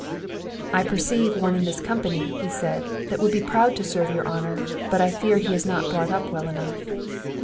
"I perceive one in this company," said he, "that would be proud to serve your honour; but I fear he is not brought up well enough."